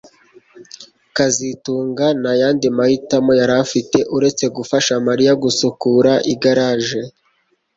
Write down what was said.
kazitunga nta yandi mahitamo yari afite uretse gufasha Mariya gusukura igaraje